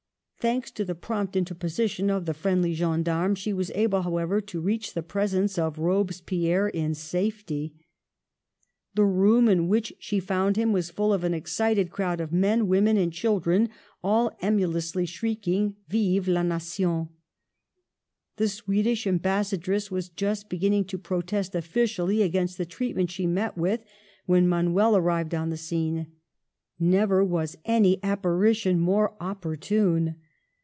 Thanks to the prompt interposition of the friendly gendarme, she was able, however, to reach the presence of Robespierre in safety. The room in which she found him was full of an excited crowd of men, women and children, all emulously shrieking, "Vive la Nation!" The Swedish Ambassadress was just beginning to protest officially against the treatment she had met with, when Manuel arrived on the scene. Never was any apparition more opportune.